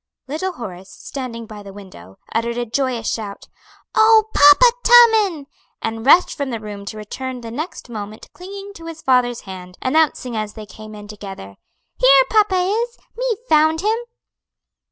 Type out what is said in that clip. Little Horace, standing by the window, uttered a joyous shout, "Oh, papa tumin'!" and rushed from the room to return the next moment clinging to his father's hand, announcing as they came in together, "Here papa is; me found him!"